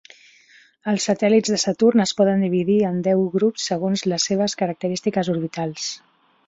Els satèl·lits de Saturn es poden dividir en deu grups segons les seves característiques orbitals.